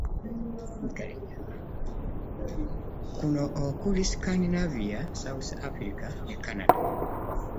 Kuno okuli; Scandinavia, South Africa ne Canada.